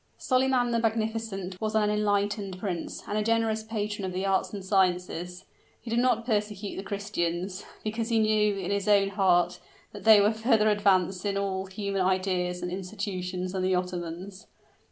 Solyman the Magnificent, was an enlightened prince, and a generous patron of the arts and sciences. He did not persecute the Christians, because he knew, in his own heart, that they were further advanced in all human ideas and institutions than the Ottomans.